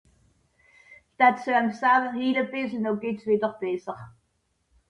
hil è bissel